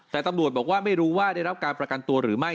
แต่ตำรวจบอกว่าไม่รู้ว่าได้รับการประกันตัวหรือไม่